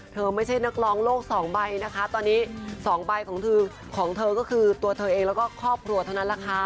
ไม่ใช่นักร้องโลกสองใบนะคะตอนนี้๒ใบของเธอของเธอก็คือตัวเธอเองแล้วก็ครอบครัวเท่านั้นแหละค่ะ